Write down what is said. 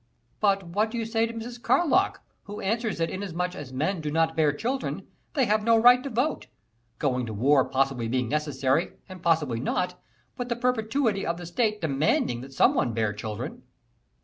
"But what do you say to Mrs. Carlock, who answers that inasmuch as men do not bear children, they have no right to vote: going to war possibly being necessary and possibly not, but the perpetuity of the State demanding that some one bear children?"